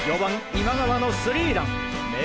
今川のスリーラン明